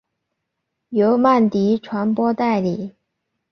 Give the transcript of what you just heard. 由曼迪传播代理。